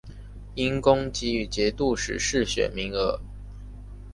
因功给予节度使世选名额。